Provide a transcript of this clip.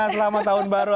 selamat tahun baru